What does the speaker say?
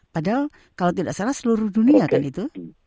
padahal kalau tidak salah seluruh dunia kan itu